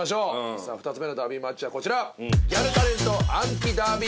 さあ２つ目のダービーマッチはこちら。